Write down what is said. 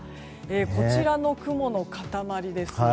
こちらの雲の塊です。